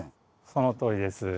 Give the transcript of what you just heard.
そのとおりです。